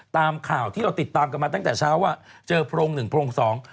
ตามข่าวที่เราติดตามกันมาตั้งแต่เช้าว่าเจอโพรงหนึ่งโพรงสอง